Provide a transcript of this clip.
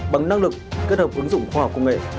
bằng năng lực kết hợp ứng dụng khoa học công nghệ